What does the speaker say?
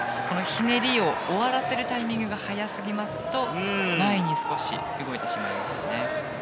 ひねりを終わらせるタイミングが早すぎますと前に少し動いてしまいますね。